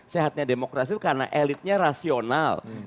sehatnya demokrasi itu karena elitnya rasional